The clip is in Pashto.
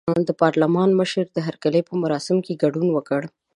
د پارلمان مشر د هرکلي په مراسمو کې ګډون وکړ.